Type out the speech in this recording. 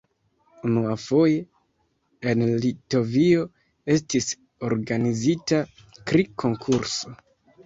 Unuafoje en Litovio estis organizita kri-konkurso.